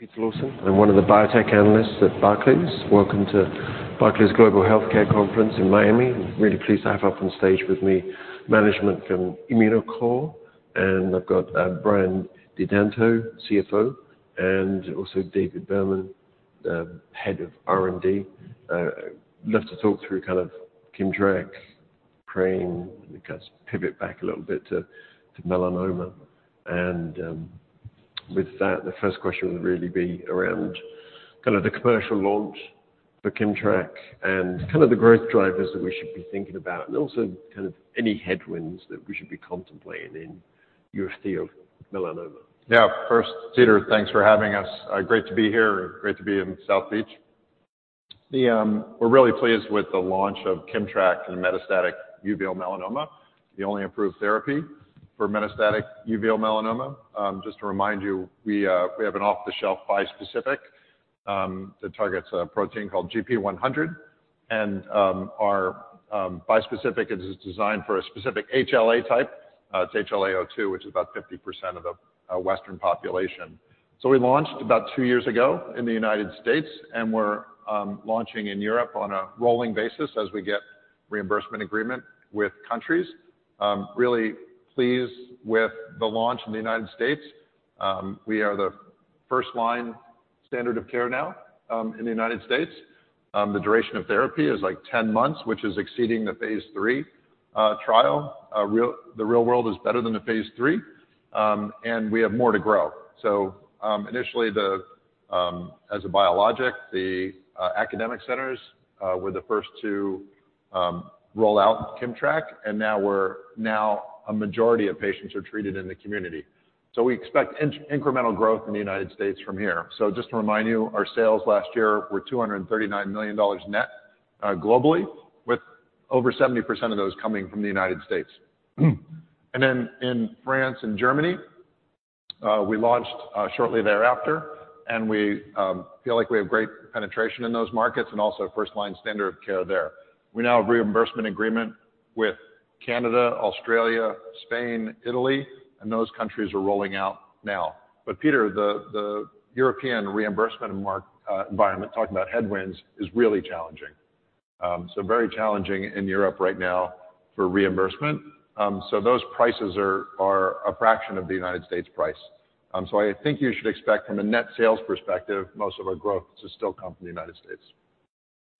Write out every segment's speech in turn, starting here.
Peter Lawson, I'm one of the biotech analysts at Barclays. Welcome to Barclays Global Healthcare Conference in Miami. Really pleased to have up on stage with me management from Immunocore, and I've got Brian Di Donato, CFO, and also David Berman, Head of R&D. Love to talk through kind of KIMMTRAK, PRAME, and kind of pivot back a little bit to melanoma. With that, the first question would really be around kind of the commercial launch for KIMMTRAK and kind of the growth drivers that we should be thinking about, and also kind of any headwinds that we should be contemplating in your field, melanoma. Yeah. First, Peter, thanks for having us. Great to be here, great to be in South Beach. We're really pleased with the launch of KIMMTRAK and metastatic uveal melanoma, the only approved therapy for metastatic uveal melanoma. Just to remind you, we have an off-the-shelf bispecific that targets a protein called GP100. And our bispecific is designed for a specific HLA type. It's HLA-A*02, which is about 50% of the Western population. So we launched about two years ago in the United States, and we're launching in Europe on a rolling basis as we get reimbursement agreement with countries. Really pleased with the launch in the United States. We are the first-line standard of care now in the United States. The duration of therapy is like 10 months, which is exceeding the phase III trial. The real world is better than the phase III, and we have more to grow. So initially, as a biologic, the academic centers were the first to roll out KIMMTRAK, and now a majority of patients are treated in the community. So we expect incremental growth in the United States from here. So just to remind you, our sales last year were $239 million net globally, with over 70% of those coming from the United States. And then in France and Germany, we launched shortly thereafter, and we feel like we have great penetration in those markets and also first-line standard of care there. We now have reimbursement agreement with Canada, Australia, Spain, Italy, and those countries are rolling out now. But Peter, the European reimbursement environment, talking about headwinds, is really challenging. So very challenging in Europe right now for reimbursement. So those prices are a fraction of the United States price. So I think you should expect, from a net sales perspective, most of our growth to still come from the United States.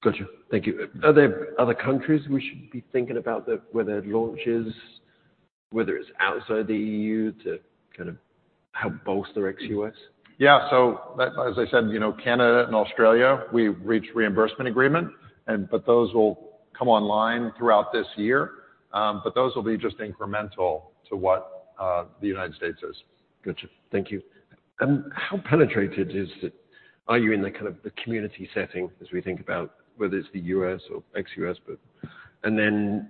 Got you. Thank you. Are there other countries we should be thinking about where there are launches, whether it's outside the EU, to kind of help bolster ex-U.S.? Yeah. So as I said, Canada and Australia, we reached reimbursement agreement, but those will come online throughout this year. But those will be just incremental to what the United States is. Got you. Thank you. And how penetrated are you in the kind of community setting as we think about whether it's the U.S. or ex-U.S., and then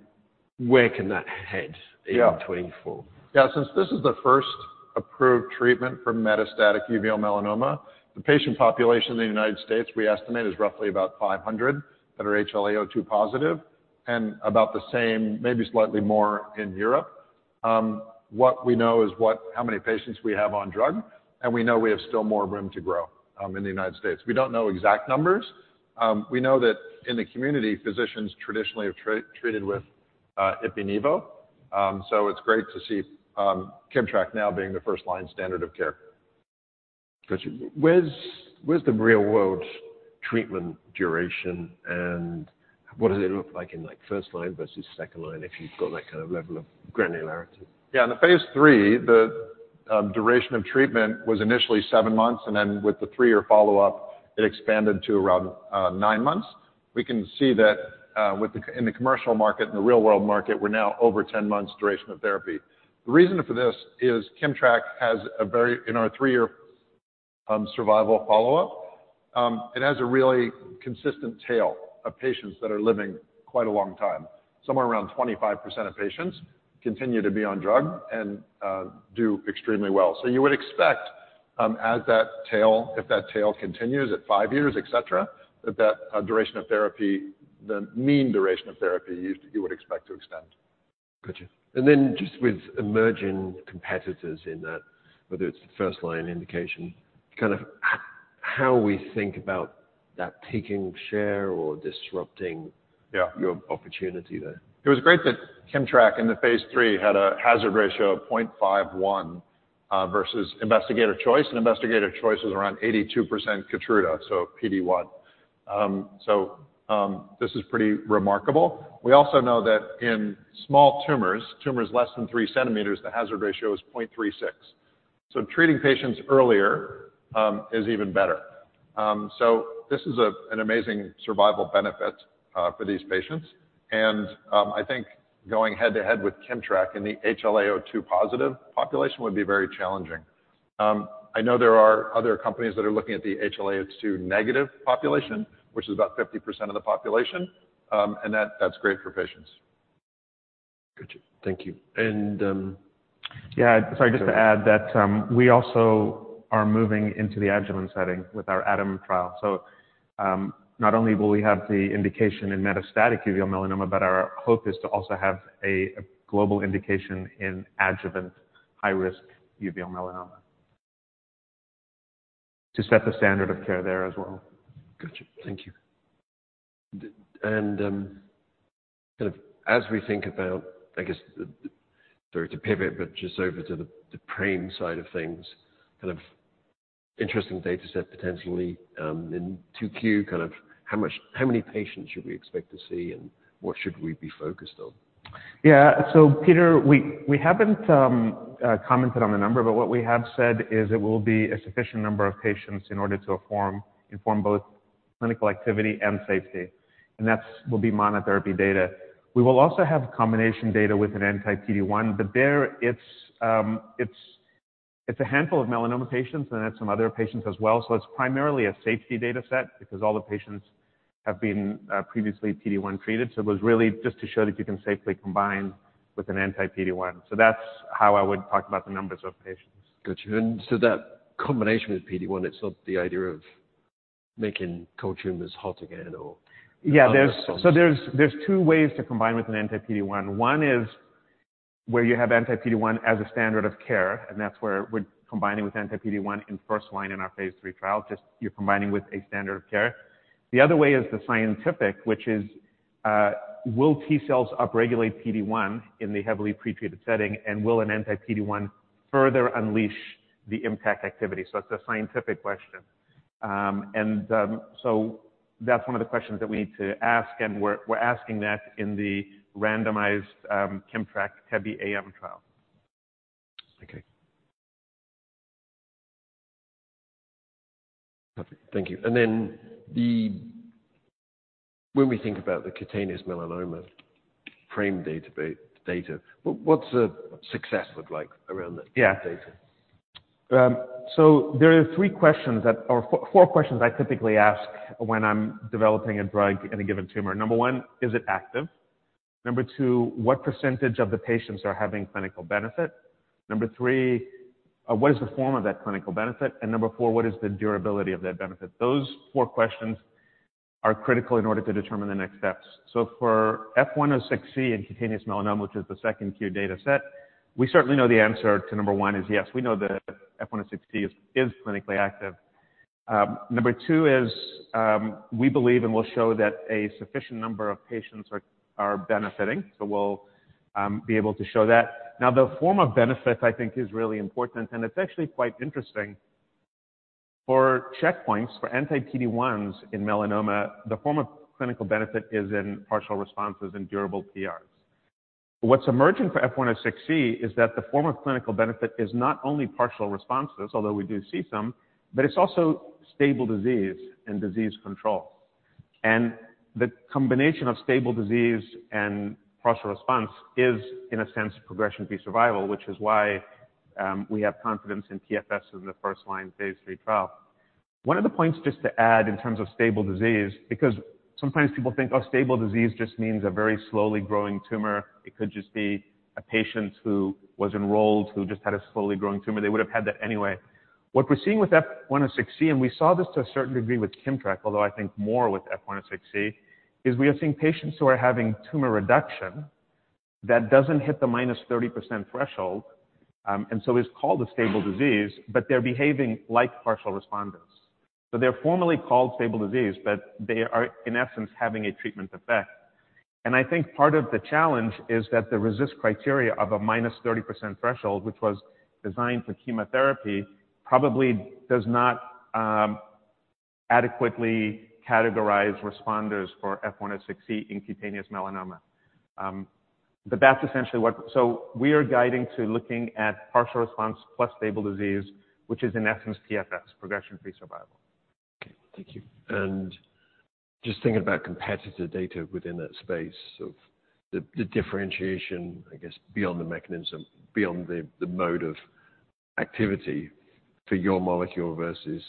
where can that head in 2024? Yeah. Since this is the first approved treatment for metastatic uveal melanoma, the patient population in the United States, we estimate, is roughly about 500 that are HLA-A*02 positive, and about the same, maybe slightly more, in Europe. What we know is how many patients we have on drug, and we know we have still more room to grow in the United States. We don't know exact numbers. We know that in the community, physicians traditionally have treated with Ipi/Nivo. So it's great to see KIMMTRAK now being the first-line standard of care. Got you. Where's the real-world treatment duration, and what does it look like in first-line versus second-line if you've got that kind of level of granularity? Yeah. In the phase III, the duration of treatment was initially 7 months, and then with the 3-year follow-up, it expanded to around 9 months. We can see that in the commercial market, in the real-world market, we're now over 10 months duration of therapy. The reason for this is KIMMTRAK has a very in our 3-year survival follow-up, it has a really consistent tail of patients that are living quite a long time. Somewhere around 25% of patients continue to be on drug and do extremely well. So you would expect, as that tail if that tail continues at 5 years, etc., that that duration of therapy, the mean duration of therapy, you would expect to extend. Got you. And then just with emerging competitors in that, whether it's the first-line indication, kind of how we think about that taking share or disrupting your opportunity there? It was great that KIMMTRAK in the phase III had a hazard ratio of 0.51 versus Investigator Choice, and Investigator Choice was around 82% Keytruda, so PD-1. So this is pretty remarkable. We also know that in small tumors, tumors less than 3 cm, the hazard ratio is 0.36. So treating patients earlier is even better. So this is an amazing survival benefit for these patients. And I think going head-to-head with KIMMTRAK in the HLA-A*02-positive population would be very challenging. I know there are other companies that are looking at the HLA-A*02-negative population, which is about 50% of the population, and that's great for patients. Got you. Thank you. Yeah. Sorry, just to add that we also are moving into the adjuvant setting with our ADAM trial. So not only will we have the indication in metastatic uveal melanoma, but our hope is to also have a global indication in adjuvant high-risk uveal melanoma to set the standard of care there as well. Got you. Thank you. And kind of as we think about, I guess, sorry, to pivot, but just over to the PRAME side of things, kind of interesting dataset potentially in 2Q, kind of how many patients should we expect to see, and what should we be focused on? Yeah. So Peter, we haven't commented on the number, but what we have said is it will be a sufficient number of patients in order to inform both clinical activity and safety, and that will be monotherapy data. We will also have combination data with an anti-PD-1, but there it's a handful of melanoma patients, and then it's some other patients as well. So it's primarily a safety dataset because all the patients have been previously PD-1 treated. So it was really just to show that you can safely combine with an anti-PD-1. So that's how I would talk about the numbers of patients. Got you. And so that combination with PD-1, it's not the idea of making cold tumors hot again? Yeah. So there's two ways to combine with an anti-PD-1. One is where you have anti-PD-1 as a standard of care, and that's where combining with anti-PD-1 in first-line in our phase III trial, just you're combining with a standard of care. The other way is the scientific, which is will T cells upregulate PD-1 in the heavily pretreated setting, and will an anti-PD-1 further unleash the ImmTAC activity? So it's a scientific question. And so that's one of the questions that we need to ask, and we're asking that in the randomized KIMMTRAK TEBE-AM trial. Okay. Perfect. Thank you. And then when we think about the cutaneous melanoma PRAME data, what's a success look like around that data? Yeah. So there are three questions, or four questions I typically ask when I'm developing a drug in a given tumor. Number one, is it active? Number two, what percentage of the patients are having clinical benefit? Number three, what is the form of that clinical benefit? And number four, what is the durability of that benefit? Those four questions are critical in order to determine the next steps. So for F106C in cutaneous melanoma, which is the second-Q dataset, we certainly know the answer to number one is yes. We know that F106C is clinically active. Number two is we believe and we'll show that a sufficient number of patients are benefiting, so we'll be able to show that. Now, the form of benefit, I think, is really important, and it's actually quite interesting. For checkpoints, for anti-PD-1s in melanoma, the form of clinical benefit is in partial responses and durable PRs. What's emerging for F106C is that the form of clinical benefit is not only partial responses, although we do see some, but it's also stable disease and disease control. And the combination of stable disease and partial response is, in a sense, progression-free survival, which is why we have confidence in TFS in the first-line phase III trial. One of the points just to add in terms of stable disease, because sometimes people think, "Oh, stable disease just means a very slowly growing tumor. It could just be a patient who was enrolled who just had a slowly growing tumor." They would have had that anyway. What we're seeing with F106C, and we saw this to a certain degree with KIMMTRAK, although I think more with F106C, is we are seeing patients who are having tumor reduction that doesn't hit the -30% threshold, and so is called a stable disease, but they're behaving like partial responders. So they're formally called stable disease, but they are, in essence, having a treatment effect. And I think part of the challenge is that the RECIST criteria of a -30% threshold, which was designed for chemotherapy, probably does not adequately categorize responders for F106C in cutaneous melanoma. But that's essentially what, so we are guiding to looking at partial response plus stable disease, which is, in essence, TFS, progression-free survival. Okay. Thank you. And just thinking about competitor data within that space, the differentiation, I guess, beyond the mechanism, beyond the mode of activity for your molecule versus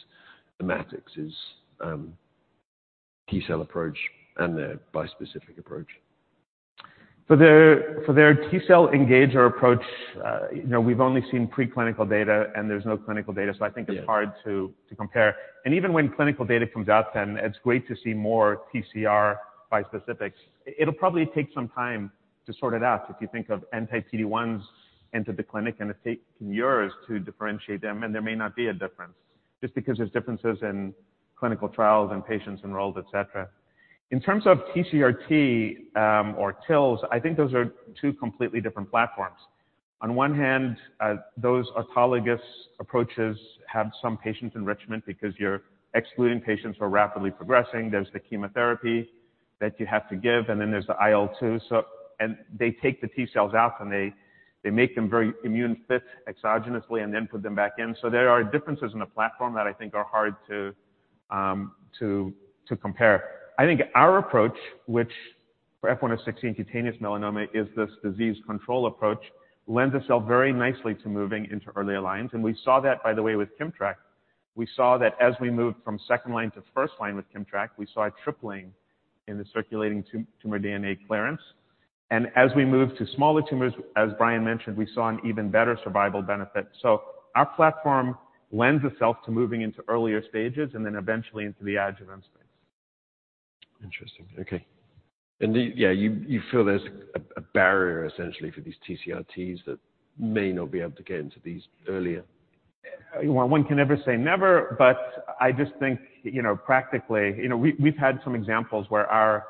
the Immatics, is T cell approach and their bispecific approach? For their T cell engager approach, we've only seen preclinical data, and there's no clinical data, so I think it's hard to compare. Even when clinical data comes out then, it's great to see more TCR bispecifics. It'll probably take some time to sort it out if you think of anti-PD-1s entered the clinic and it's taken years to differentiate them, and there may not be a difference just because there's differences in clinical trials and patients enrolled, etc. In terms of TCR-T or TILs, I think those are two completely different platforms. On one hand, those autologous approaches have some patient enrichment because you're excluding patients who are rapidly progressing. There's the chemotherapy that you have to give, and then there's the IL-2. They take the T cells out, and they make them very immune fit exogenously and then put them back in. So there are differences in the platform that I think are hard to compare. I think our approach, which for IMC-F106C in cutaneous melanoma is this disease control approach, lends itself very nicely to moving into earlier lines. And we saw that, by the way, with KIMMTRAK. We saw that as we moved from second-line to first-line with KIMMTRAK, we saw a tripling in the circulating tumor DNA clearance. And as we moved to smaller tumors, as Brian mentioned, we saw an even better survival benefit. So our platform lends itself to moving into earlier stages and then eventually into the adjuvant space. Interesting. Okay. Yeah, you feel there's a barrier, essentially, for these TCR-Ts that may not be able to get into these earlier? One can never say never, but I just think, practically, we've had some examples where our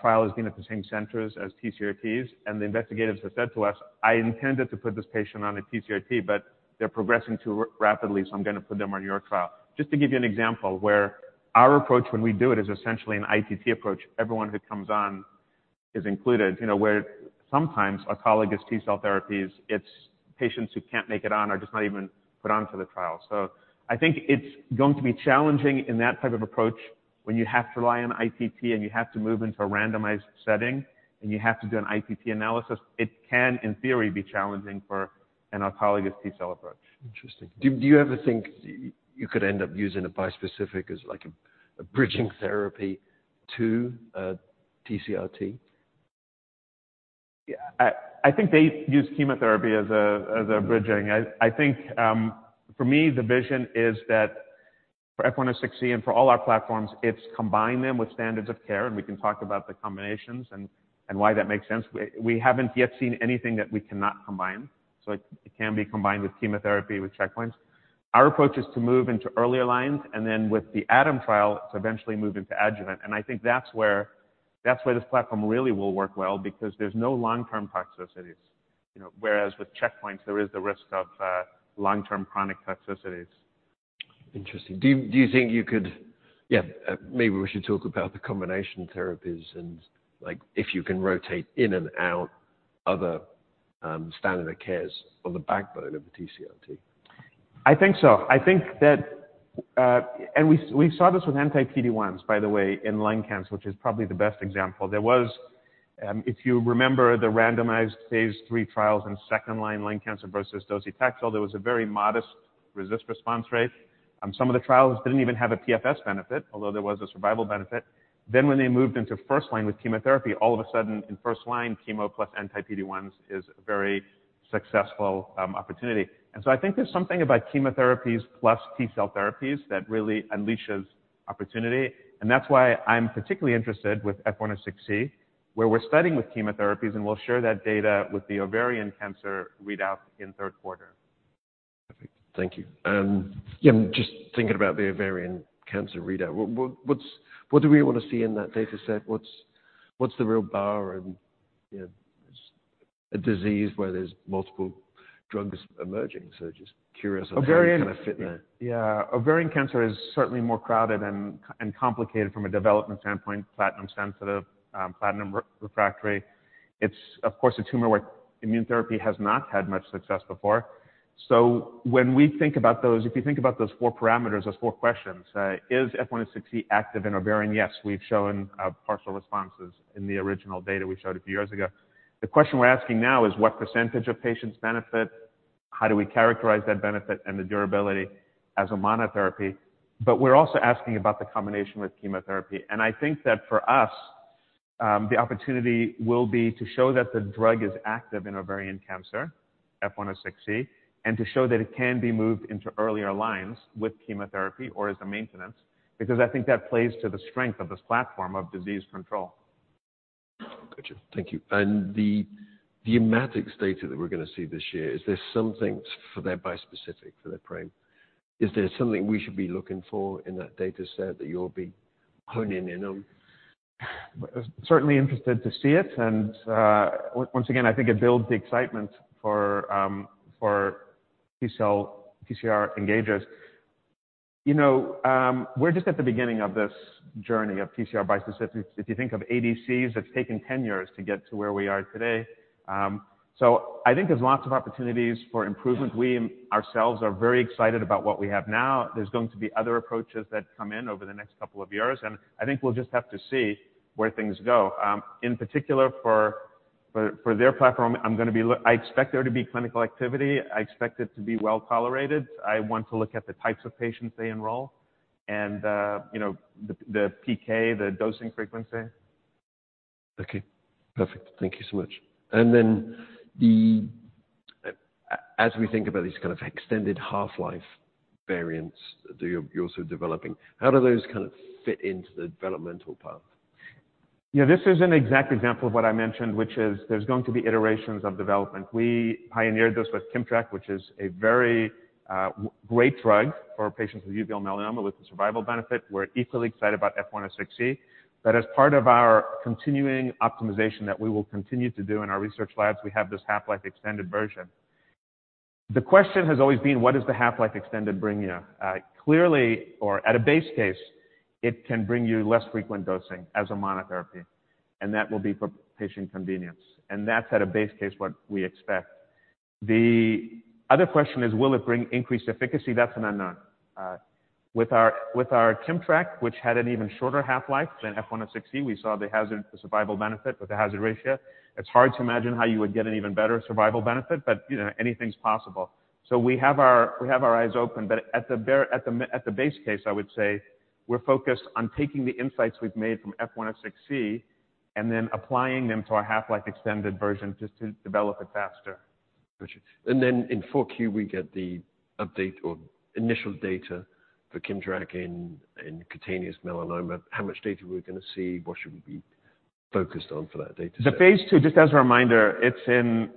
trial has been at the same centers as TCR-Ts, and the investigators have said to us, "I intended to put this patient on a TCR-T, but they're progressing too rapidly, so I'm going to put them on your trial." Just to give you an example, where our approach, when we do it, is essentially an ITT approach. Everyone who comes on is included, where sometimes autologous T cell therapies, it's patients who can't make it on or just not even put on to the trial. So I think it's going to be challenging in that type of approach when you have to rely on ITT, and you have to move into a randomized setting, and you have to do an ITT analysis. It can, in theory, be challenging for an autologous T cell approach. Interesting. Do you ever think you could end up using a bispecific as a bridging therapy to TCR-T? Yeah. I think they use chemotherapy as a bridging. I think, for me, the vision is that for F106C and for all our platforms, it's combine them with standards of care, and we can talk about the combinations and why that makes sense. We haven't yet seen anything that we cannot combine. So it can be combined with chemotherapy with checkpoints. Our approach is to move into earlier lines, and then with the ADAM trial, to eventually move into adjuvant. And I think that's where this platform really will work well because there's no long-term toxicities, whereas with checkpoints, there is the risk of long-term chronic toxicities. Interesting. Do you think you could yeah, maybe we should talk about the combination therapies and if you can rotate in and out other standard of cares on the backbone of the TCR-T? I think so. I think that, and we saw this with anti-PD-1s, by the way, in lung cancer, which is probably the best example. There was, if you remember, the randomized phase three trials in second-line lung cancer versus docetaxel, there was a very modest RECIST response rate. Some of the trials didn't even have a TFS benefit, although there was a survival benefit. Then when they moved into first-line with chemotherapy, all of a sudden, in first-line, chemo plus anti-PD-1s is a very successful opportunity. And so I think there's something about chemotherapies plus T cell therapies that really unleashes opportunity. And that's why I'm particularly interested with F106C, where we're studying with chemotherapies, and we'll share that data with the ovarian cancer readout in third quarter. Perfect. Thank you. And yeah, just thinking about the ovarian cancer readout, what do we want to see in that dataset? What's the real bar in a disease where there's multiple drugs emerging? So just curious how they kind of fit there. Yeah. Ovarian cancer is certainly more crowded and complicated from a development standpoint, platinum-sensitive, platinum-refractory. It's, of course, a tumor where immune therapy has not had much success before. So when we think about those, if you think about those four parameters, those four questions, is IMC-F106C active in ovarian? Yes. We've shown partial responses in the original data we showed a few years ago. The question we're asking now is what percentage of patients benefit? How do we characterize that benefit and the durability as a monotherapy? But we're also asking about the combination with chemotherapy. And I think that for us, the opportunity will be to show that the drug is active in ovarian cancer, IMC-F106C, and to show that it can be moved into earlier lines with chemotherapy or as a maintenance because I think that plays to the strength of this platform of disease control. Got you. Thank you. And the Immatics data that we're going to see this year, is there something for their bispecific, for their PRAME? Is there something we should be looking for in that dataset that you'll be honing in on? Certainly interested to see it. Once again, I think it builds the excitement for T-cell TCR engagers. We're just at the beginning of this journey of TCR bispecifics. If you think of ADCs, it's taken 10 years to get to where we are today. I think there's lots of opportunities for improvement. We ourselves are very excited about what we have now. There's going to be other approaches that come in over the next couple of years, and I think we'll just have to see where things go. In particular, for their platform, I expect there to be clinical activity. I expect it to be well-tolerated. I want to look at the types of patients they enroll and the PK, the dosing frequency. Okay. Perfect. Thank you so much. And then as we think about these kind of extended half-life variants that you're also developing, how do those kind of fit into the developmental path? Yeah. This is an exact example of what I mentioned, which is there's going to be iterations of development. We pioneered this with KIMMTRAK, which is a very great drug for patients with uveal melanoma with a survival benefit. We're equally excited about IMC-F106C. But as part of our continuing optimization that we will continue to do in our research labs, we have this half-life extended version. The question has always been, what does the half-life extended bring you? Clearly, or at a base case, it can bring you less frequent dosing as a monotherapy, and that will be for patient convenience. And that's, at a base case, what we expect. The other question is, will it bring increased efficacy? That's an unknown. With our KIMMTRAK, which had an even shorter half-life than IMC-F106C, we saw the hazard to survival benefit with a hazard ratio. It's hard to imagine how you would get an even better survival benefit, but anything's possible. So we have our eyes open. But at the base case, I would say we're focused on taking the insights we've made from IMC-F106C and then applying them to our half-life extended version just to develop it faster. Got you. And then in Q4, we get the update or initial data for KIMMTRAK in cutaneous melanoma. How much data are we going to see? What should we be focused on for that dataset? The phase II, just as a reminder, it's in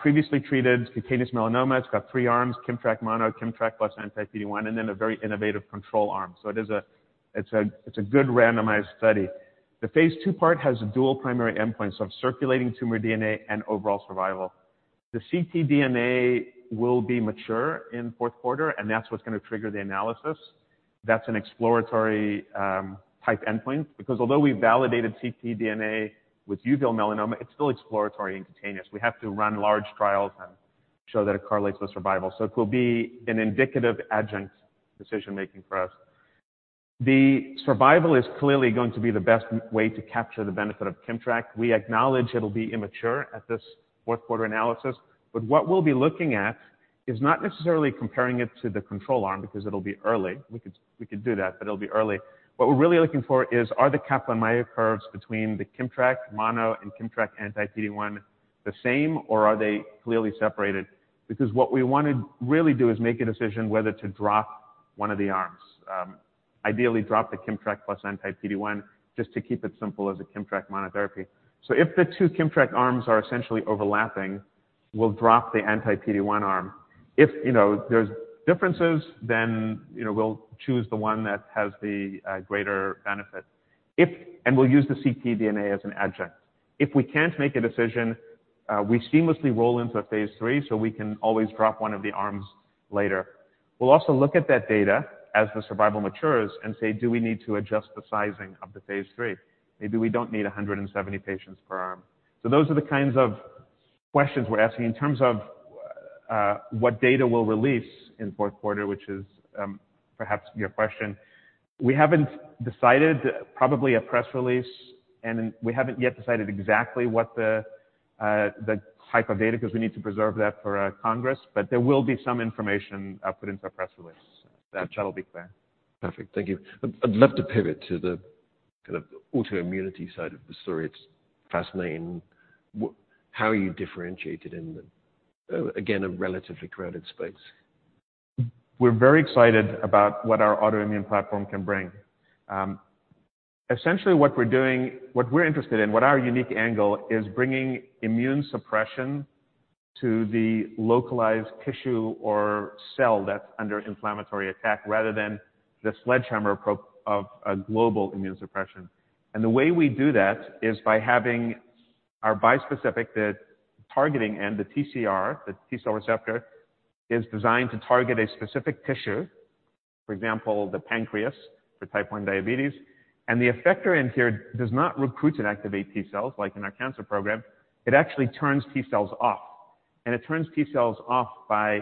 previously treated cutaneous melanoma. It's got three arms: KIMMTRAK mono, KIMMTRAK plus anti-PD-1, and then a very innovative control arm. So it's a good randomized study. The phase II part has a dual primary endpoint, so of circulating tumor DNA and overall survival. The ctDNA will be mature in fourth quarter, and that's what's going to trigger the analysis. That's an exploratory type endpoint because although we validated ctDNA with uveal melanoma, it's still exploratory in cutaneous. We have to run large trials and show that it correlates with survival. So it will be an indicative adjunct decision-making for us. The survival is clearly going to be the best way to capture the benefit of KIMMTRAK. We acknowledge it'll be immature at this fourth quarter analysis, but what we'll be looking at is not necessarily comparing it to the control arm because it'll be early. We could do that, but it'll be early. What we're really looking for is, are the Kaplan-Meier curves between the KIMMTRAK mono and KIMMTRAK anti-PD-1 the same, or are they clearly separated? Because what we want to really do is make a decision whether to drop one of the arms, ideally drop the KIMMTRAK plus anti-PD-1, just to keep it simple as a KIMMTRAK monotherapy. So if the two KIMMTRAK arms are essentially overlapping, we'll drop the anti-PD-1 arm. If there's differences, then we'll choose the one that has the greater benefit, and we'll use the ctDNA as an adjunct. If we can't make a decision, we seamlessly roll into a phase III, so we can always drop one of the arms later. We'll also look at that data as the survival matures and say, "Do we need to adjust the sizing of the phase III? Maybe we don't need 170 patients per arm." So those are the kinds of questions we're asking in terms of what data we'll release in fourth quarter, which is perhaps your question. We haven't decided, probably a press release, and we haven't yet decided exactly what the type of data because we need to preserve that for Congress. But there will be some information put into a press release. That'll be clear. Perfect. Thank you. I'd love to pivot to the kind of autoimmunity side of the story. It's fascinating. How are you differentiated in, again, a relatively crowded space? We're very excited about what our autoimmune platform can bring. Essentially, what we're doing, what we're interested in, what our unique angle is bringing immune suppression to the localized tissue or cell that's under inflammatory attack rather than the sledgehammer approach of global immune suppression. The way we do that is by having our bispecific, the targeting end, the TCR, the T cell receptor, is designed to target a specific tissue, for example, the pancreas for type 1 diabetes. The effector end here does not recruit and activate T cells like in our cancer program. It actually turns T cells off, and it turns T cells off by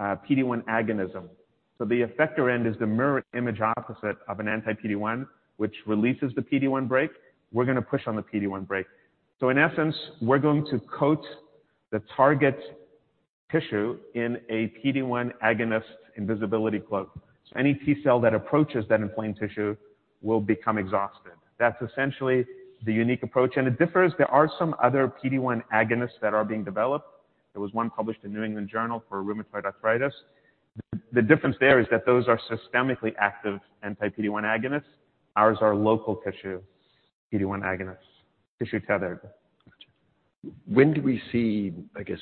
PD-1 agonism. The effector end is the mirror image opposite of an anti-PD-1, which releases the PD-1 brake. We're going to push on the PD-1 brake. In essence, we're going to coat the target tissue in a PD-1 agonist invisibility cloak. Any T cell that approaches that inflamed tissue will become exhausted. That's essentially the unique approach. It differs. There are some other PD-1 agonists that are being developed. There was one published in New England Journal for rheumatoid arthritis. The difference there is that those are systemically active anti-PD-1 agonists. Ours are local tissue PD-1 agonists, tissue tethered. Got you. When do we see, I guess,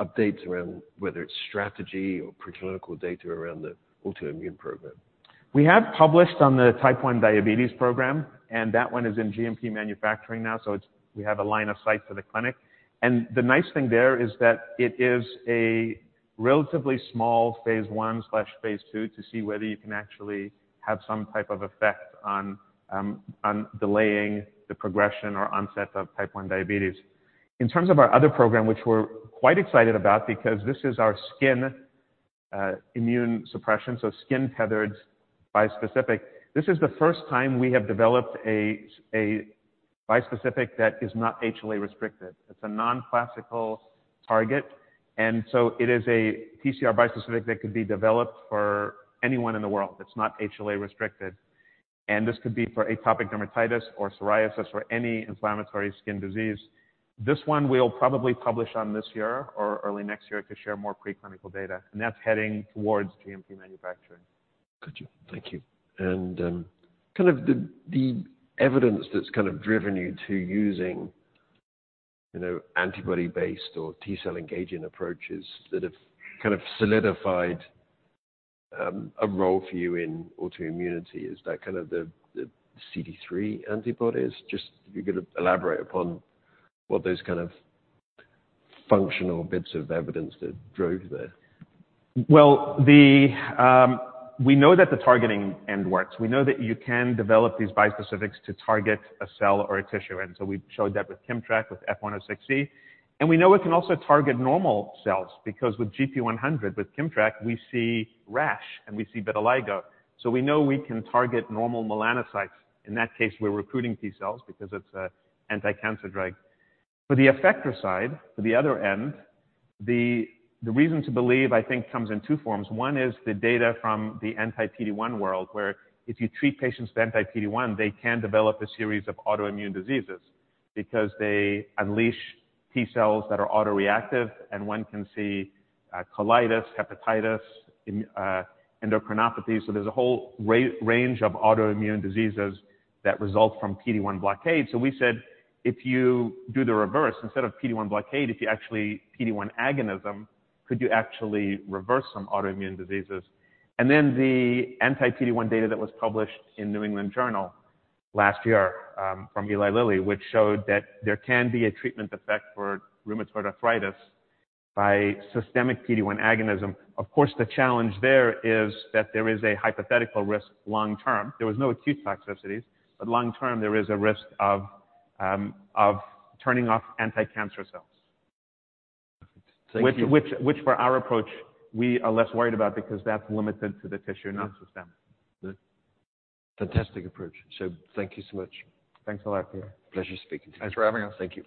updates around whether it's strategy or preclinical data around the autoimmune program? We have published on the type 1 diabetes program, and that one is in GMP manufacturing now. So we have a line of sight for the clinic. And the nice thing there is that it is a relatively small phase I/phase II to see whether you can actually have some type of effect on delaying the progression or onset of type 1 diabetes. In terms of our other program, which we're quite excited about because this is our skin immune suppression, so skin-tethered bispecific, this is the first time we have developed a bispecific that is not HLA restricted. It's a non-classical target. And so it is a TCR bispecific that could be developed for anyone in the world. It's not HLA restricted. And this could be for atopic dermatitis or psoriasis or any inflammatory skin disease. This one we'll probably publish on this year or early next year to share more preclinical data. That's heading towards GMP manufacturing. Got you. Thank you. And kind of the evidence that's kind of driven you to using antibody-based or T cell engaging approaches that have kind of solidified a role for you in autoimmunity is that kind of the CD3 antibodies. Just if you could elaborate upon what those kind of functional bits of evidence that drove there. Well, we know that the targeting end works. We know that you can develop these bispecifics to target a cell or a tissue. And so we've showed that with KIMMTRAK, with IMC-F106C. And we know it can also target normal cells because with GP100, with KIMMTRAK, we see rash and we see vitiligo. So we know we can target normal melanocytes. In that case, we're recruiting T cells because it's an anti-cancer drug. For the effector side, for the other end, the reason to believe, I think, comes in two forms. One is the data from the anti-PD-1 world, where if you treat patients with anti-PD-1, they can develop a series of autoimmune diseases because they unleash T cells that are autoreactive, and one can see colitis, hepatitis, endocrinopathies. So there's a whole range of autoimmune diseases that result from PD-1 blockade. So we said if you do the reverse, instead of PD-1 blockade, if you actually PD-1 agonism, could you actually reverse some autoimmune diseases? And then the anti-PD-1 data that was published in New England Journal last year from Eli Lilly, which showed that there can be a treatment effect for rheumatoid arthritis by systemic PD-1 agonism. Of course, the challenge there is that there is a hypothetical risk long-term. There was no acute toxicities, but long-term, there is a risk of turning off anti-cancer cells, which for our approach, we are less worried about because that's limited to the tissue, not systemic. Fantastic approach. Thank you so much. Thanks a lot, Peter. Pleasure speaking to you. Thanks for having us. Thank you.